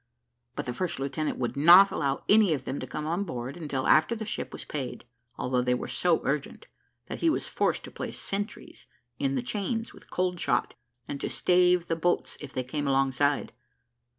But the first lieutenant would not allow any of them to come on board until after the ship was paid; although they were so urgent, that he was forced to place sentries in the chains with cold shot, to stave the boats if they came alongside.